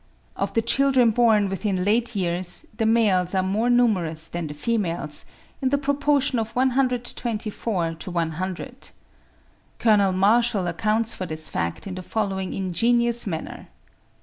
Of the children born within late years, the males are more numerous than the females, in the proportion of 124 to 100. Colonel Marshall accounts for this fact in the following ingenious manner.